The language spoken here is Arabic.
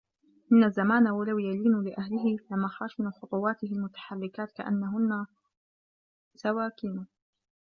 إنَّ الزَّمَانَ وَلَوْ يَلِينُ لِأَهْلِهِ لَمُخَاشِنُ خُطُوَاتُهُ الْمُتَحَرِّكَاتُ كَأَنَّهُنَّ سَوَاكِنُ